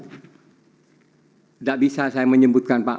tidak bisa saya menyebutkan pak